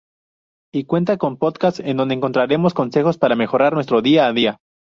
Y cuenta con podcasts en donde encontraremos consejos para mejorar nuestro día a día.